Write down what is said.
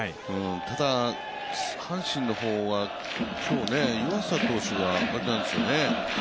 こご、阪神の方は湯浅投手が、あれなんですよね。